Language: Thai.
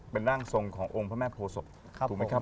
เป็นร่างทรงขององค์พระแม่โพศพถูกไหมครับ